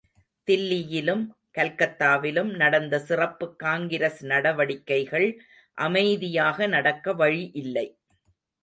தில்லியிலும், கல்கத்தாவிலும் நடந்த சிறப்புக் காங்கிரஸ் நடவடிக்கைகள் அமைதியாக நடக்க வழி இல்லை.